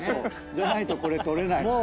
じゃないとこれ撮れないです。